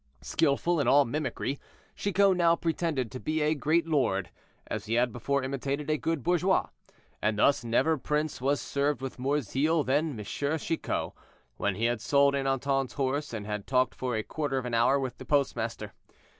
Skillful in all mimicry, Chicot now pretended to be a great lord, as he had before imitated a good bourgeois, and thus never prince was served with more zeal than M. Chicot, when he had sold Ernanton's horse and had talked for a quarter of an hour with the postmaster.